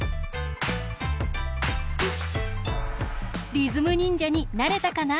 リズムにんじゃになれたかな？